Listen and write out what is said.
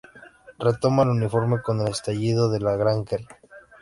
Retoma el uniforme con el estallido de la Gran Guerra.